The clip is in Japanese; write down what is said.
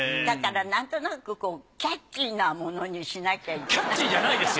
だからなんとなくこうキャッチーなものにしなきゃいけない。